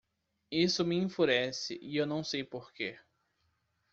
Isso me enfurece e não sei por quê.